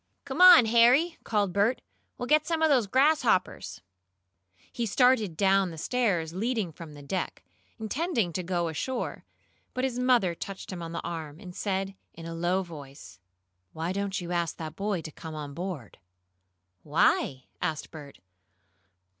"Come on, Harry!" called Bert. "We'll get some of those grasshoppers." He started down the stairs leading from the deck, intending to go ashore, but his mother touched him on the arm, and said, in a low voice: "Why don't you ask that boy to come on board?" "Why?" asked Bert.